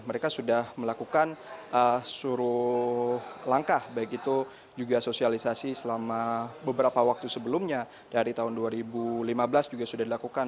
mereka sudah melakukan suruh langkah baik itu juga sosialisasi selama beberapa waktu sebelumnya dari tahun dua ribu lima belas juga sudah dilakukan